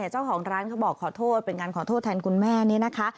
เจ้าของร้านเขาบอกขอโทษเป็นการขอโทษแทนคุณแม่นี่นะคะ